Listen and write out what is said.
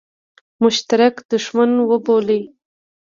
مشترک دښمن وبولي.